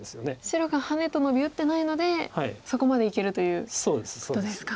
白がハネとノビ打ってないのでそこまでいけるということですか。